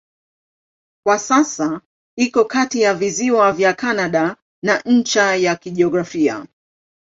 Kwa sasa iko kati ya visiwa vya Kanada na ncha ya kijiografia.